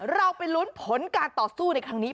เราไปลุ้นผลการต่อสู้ในครั้งนี้